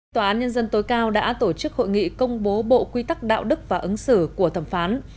tòa án nhân dân tối cao đã tổ chức hội nghị công bố bộ quy tắc đạo đức và ứng xử của thẩm phán